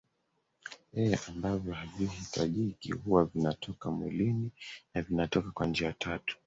e ambavyo havihitajiki huwa vinatoka mwilini na vinatoka kwa njia tatu